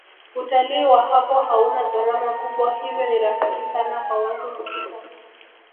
utalii wa hapo hauna gharama kubwa hivyo ni rafiki sana kwa watu kufika